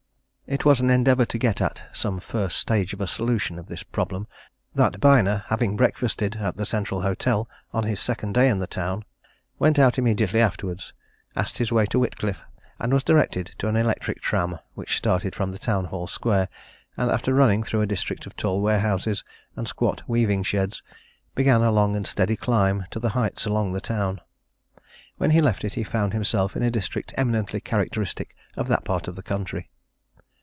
It was in an endeavour to get at some first stage of a solution of this problem that Byner, having breakfasted at the Central Hotel on his second day in the town, went out immediately afterwards, asked his way to Whitcliffe, and was directed to an electric tram which started from the Town Hall Square, and after running through a district of tall warehouses and squat weaving sheds, began a long and steady climb to the heights along the town. When he left it, he found himself in a district eminently characteristic of that part of the country.